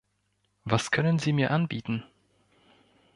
Was können Sie mir anbieten?